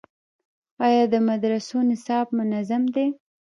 آیا د مدرسو نصاب منظم دی؟